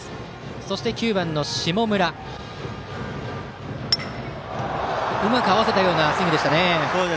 そして、９番の下村はうまく合わせたようなスイングでしたね。